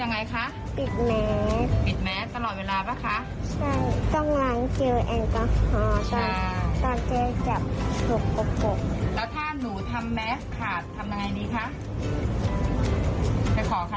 งานจริง